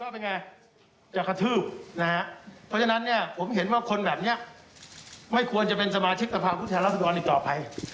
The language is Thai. เพราะฉะนั้นเนี่ยผมเห็นว่าคนแบบเนี่ยไม่ควรจะเป็นสมาชิกตภาพพุทธรรษฎรอีกต่อไป